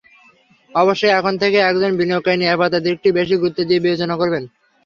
অবশ্যই, এখন থেকে একজন বিনিয়োগকারী নিরাপত্তার দিকটি বেশি গুরুত্ব দিয়ে বিবেচনা করবেন।